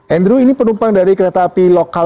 andrew ini penumpang dari kereta api lokal